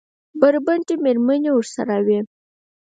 بربنډې مېرمنې ورسره وې.